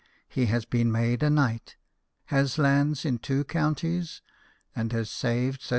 He has been made a knight, has lands in two counties, and has saved ,35,000."